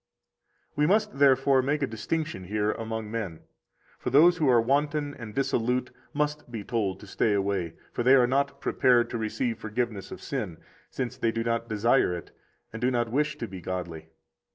58 We must, therefore, make a distinction here among men. For those who are wanton and dissolute must be told to stay away; for they are not prepared to receive forgiveness of sin, since they do not desire it and do not wish to be godly.